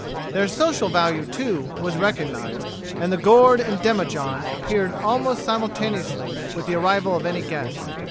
Their social value, too, was recognized, and the gourd and demijohn appeared almost simultaneously with the arrival of any guest.